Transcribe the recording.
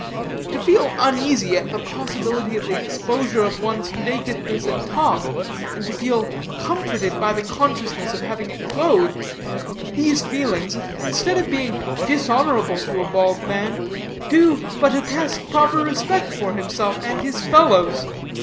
To feel uneasy at the possibility of the exposure of one's nakedness at top, and to feel comforted by the consciousness of having it clothed these feelings, instead of being dishonorable to a bold man, do, in fact, but attest a proper respect for himself and his fellows.